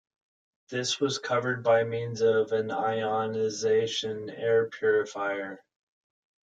This was covered by means of an ionisation air purifier.